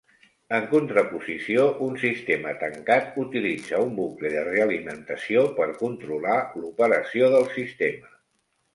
En contraposició, un sistema tancat utilitza un bucle de realimentació per controlar l'operació del sistema.